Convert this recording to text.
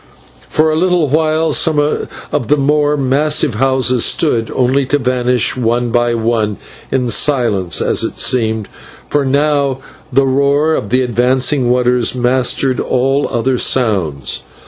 For a little while some of the more massive houses stood, only to vanish one by one, in silence as it seemed, for now the roar of the advancing waters mastered all other sounds.